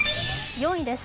４位です。